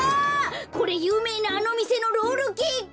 これゆうめいなあのみせのロールケーキ！